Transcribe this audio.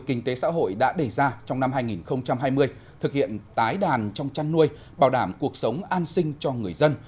kinh tế xã hội đã đề ra trong năm hai nghìn hai mươi thực hiện tái đàn trong chăn nuôi bảo đảm cuộc sống an sinh cho người dân